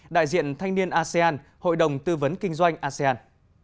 đại diện thanh niên asean hội đồng tư vấn kinh doanh asean